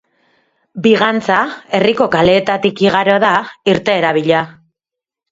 Bigantxa herriko kaleetatik igaro da, irteera bila.